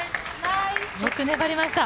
よく粘りました。